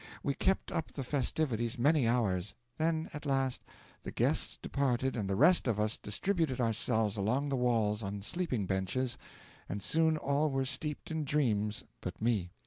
We kept up the festivities many hours; then, at last, the guests departed and the rest of us distributed ourselves along the walls on sleeping benches, and soon all were steeped in dreams but me.